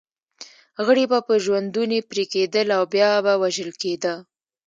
غړي به په ژوندوني پرې کېدل او بیا به وژل کېده.